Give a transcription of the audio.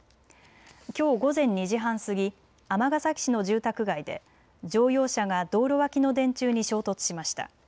きょう午前２時半過ぎ、尼崎市の住宅街で乗用車が道路脇の電柱に衝突しました。